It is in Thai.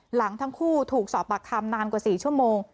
หลังทั้งคู่ถูกสอบปากคำนานกว่า๔ชั่วโมง